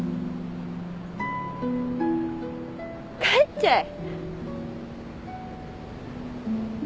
帰っちゃえ。